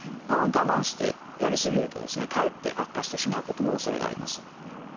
我慢してやりすぎるとですねかえって悪化してしまうおそれがあります。